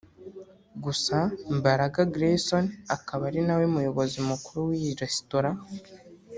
Gusa Mbaraga Greyson akaba ari nawe muyobozi mukuru w’iyi resitora